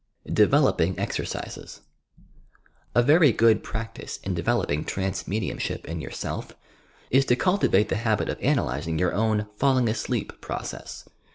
DEVELOPING EXERCISES A very good practice in developing trance medium ship in yourself is to cultivate the habit of analysing your own "falling asleep" process.